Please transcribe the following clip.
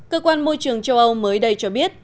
cơ quan môi trường châu âu mới đây cho biết